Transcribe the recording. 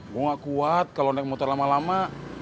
gua enggak kuat kalau naik motor lama lama